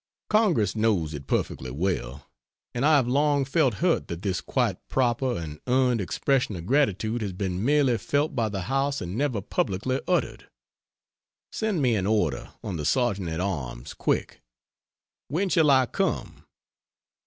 Congress knows it perfectly well and I have long felt hurt that this quite proper and earned expression of gratitude has been merely felt by the House and never publicly uttered. Send me an order on the Sergeant at Arms quick. When shall I come?